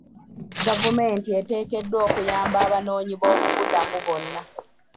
Gavumenti eteekeddwa okuyamba abanoonyiboobubudamu bonna.